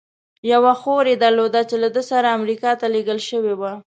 یوه خور یې درلوده، چې له ده سره امریکا ته لېږل شوې وه.